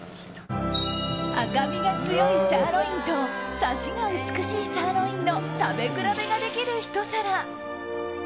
赤身が強いサーロインとサシが美しいサーロインの食べ比べができるひと皿。